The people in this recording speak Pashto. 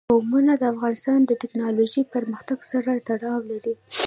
قومونه د افغانستان د تکنالوژۍ پرمختګ سره تړاو لري.